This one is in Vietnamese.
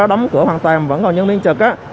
chưa có đóng cửa hoàn toàn mà vẫn còn nhân viên trực á